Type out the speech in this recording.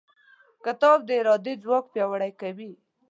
کتاب د ارادې ځواک پیاوړی کوي.